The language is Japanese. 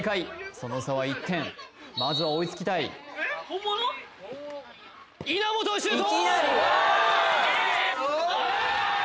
その差は１点まずは追いつきたい稲本シュート！